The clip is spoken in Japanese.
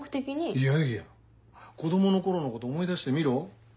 いやいや子供の頃のこと思い出してみろ。